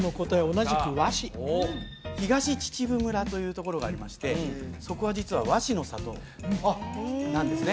同じく和紙東秩父村というところがありましてそこは実は和紙の里なんですね